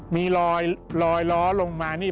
มีรอยล้อลงมานี่